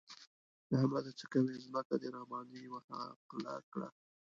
احمده! څه کوې؛ ځمکه دې راباندې يوه حقله کړه.